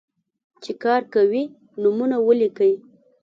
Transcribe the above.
چې کار کوي، نومونه ولیکئ.